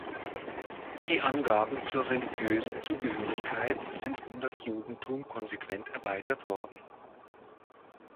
Die Angaben zur religiösen Zugehörigkeit sind um das Judentum konsequent erweitert worden.